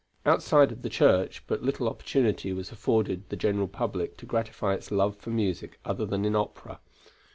Outside of the church but little opportunity was afforded the general public to gratify its love for music other than in opera.